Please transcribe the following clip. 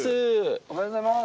おはようございます。